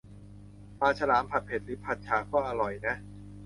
ปลาฉลาม ผัดเผ็ด หรือผัดฉ่าก็อร่อยนะ